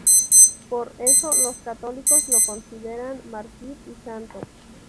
Por eso, los católicos lo consideran mártir y santo.